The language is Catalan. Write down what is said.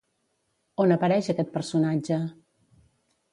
On apareix aquest personatge?